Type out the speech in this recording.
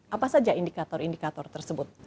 apa saja indikator indikator tersebut